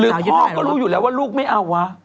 พ่อก็รู้อยู่แล้วว่าลูกไม่เอาวะ